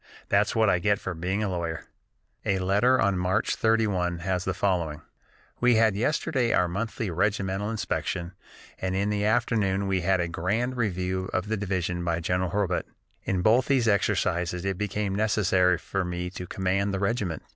That's what I get for being a lawyer." A letter on March 31 has the following: "We had yesterday our monthly regimental inspection and in the afternoon we had a grand review of the division by General Hurlbut. In both these exercises it became necessary for me to command the regiment.